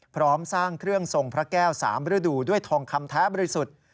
พร้อมสร้างเครื่องทรงพระแก้ว๓ฤดูด้วยทองคำแท้บริสุทธิ์